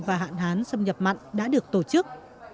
và hạn hán xâm nhập mặn đã được tổ chức